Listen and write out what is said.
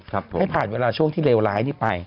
ให้ผ่านเวลาช่วงที่เลวร้ายนี้ไป